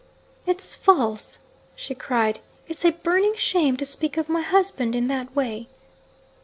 'It's false!' she cried. 'It's a burning shame to speak of my husband in that way!'